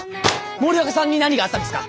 森若さんに何があったんですか？